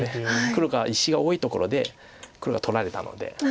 黒が石が多いところで黒が取られたので。